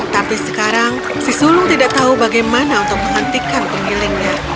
tapi sekarang si sulung tidak tahu bagaimana untuk menghentikan penggilingnya